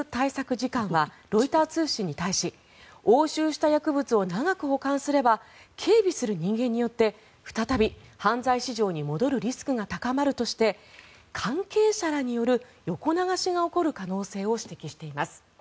次官はロイター通信に対し押収した薬物を長く保管すれば警備する人間によって再び犯罪市場に戻るリスクが高まるとして関係者らによる横流しが起こる可能性を指摘しています。